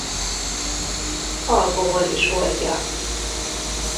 Alkohol is oldja.